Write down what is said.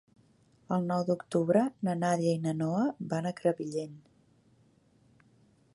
El nou d'octubre na Nàdia i na Noa van a Crevillent.